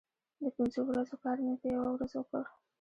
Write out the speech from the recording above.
د پنځو ورځو کار مې په یوه ورځ وکړ.